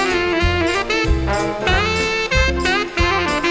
สวัสดีครับ